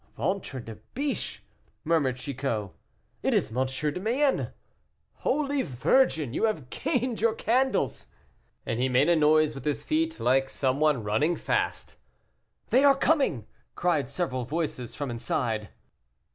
"Ventre de biche!" murmured Chicot, "it is M. de Mayenne. Holy Virgin, you have gained your candles." And he made a noise with his feet like some one running fast. "They are coming," cried several voices from inside.